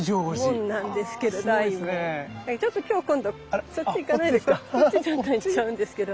でちょっと今日今度そっち行かないでそっち行っちゃうんですけど。